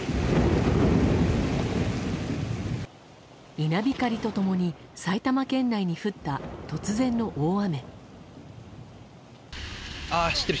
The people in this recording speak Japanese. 稲光と共に埼玉県内に降った突然の大雨。